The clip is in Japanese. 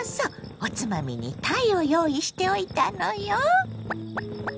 おつまみにたいを用意しておいたのよ。